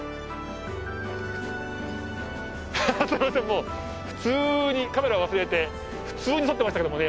もう普通にカメラ忘れて普通に撮ってましたけどもね